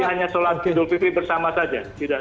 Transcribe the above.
jadi hanya sholat idul fitri bersama saja